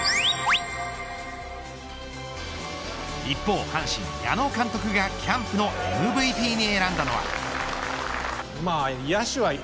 一方阪神、矢野監督がキャンプのＭＶＰに選んだのは。